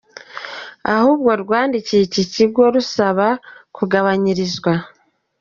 Ahubwo rwandikiye iki kigo rusaba kugabanyirizwa.